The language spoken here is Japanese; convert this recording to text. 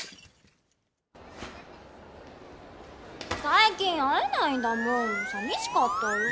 最近会えないんだもんさみしかったよ